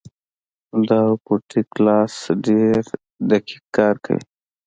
دا روبوټیک لاس ډېر دقیق کار کوي.